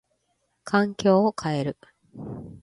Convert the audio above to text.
環境を変える。